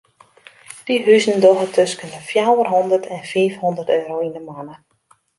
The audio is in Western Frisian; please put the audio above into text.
Dy huzen dogge tusken de fjouwer hondert en fiif hondert euro yn de moanne.